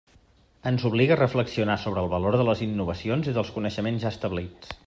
Ens obliga a reflexionar sobre el valor de les innovacions i dels coneixements ja establits.